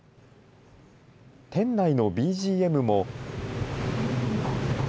店内のＢＧＭも。